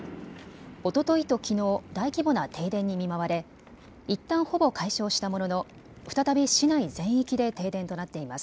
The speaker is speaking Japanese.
おとといときのう大規模な停電に見舞われ、いったんほぼ解消したものの再び市内全域で停電となっています。